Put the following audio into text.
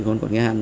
công an quán ngang